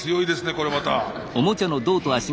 これまた。